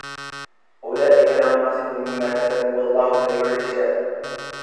أولئك لهم نصيب مما كسبوا والله سريع الحساب